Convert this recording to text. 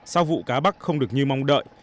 sau vụ cá bắt không được như mong đợi